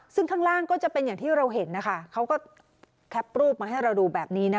ซึ่งข้างล่างก็จะเป็นอย่างที่เราเห็นนะคะเขาก็แคปรูปมาให้เราดูแบบนี้นะคะ